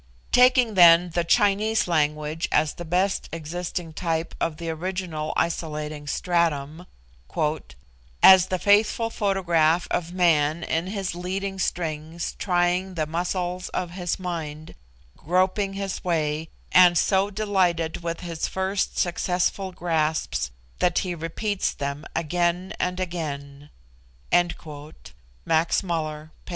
Taking then the Chinese language as the best existing type of the original isolating stratum, "as the faithful photograph of man in his leading strings trying the muscles of his mind, groping his way, and so delighted with his first successful grasps that he repeats them again and again," (Max Muller, p.